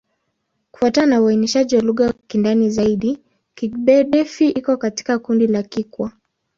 Kufuatana na uainishaji wa lugha kwa ndani zaidi, Kigbe-Defi iko katika kundi la Kikwa.